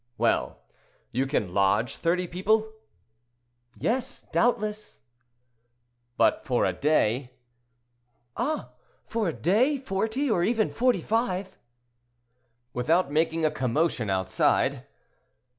"Well; you can lodge thirty people?" "Yes, doubtless." "But for a day?" "Oh! for a day, forty, or even forty five." "Without making a commotion outside?"